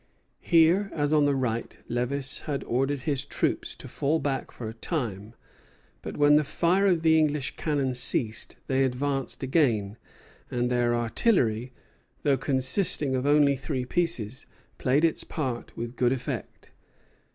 Here, as on the right, Lévis had ordered his troops to fall back for a time; but when the fire of the English cannon ceased, they advanced again, and their artillery, though consisting of only three pieces, played its part with good effect.